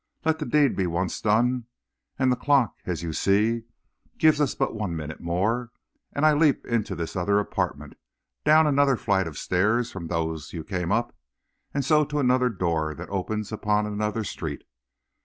Let the deed be once done and the clock, as you see, gives us but one minute more and I leap into this other apartment, down another flight of stairs from those you came up, and so to another door that opens upon another street.